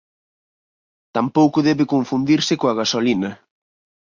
Tampouco debe confundirse coa gasolina.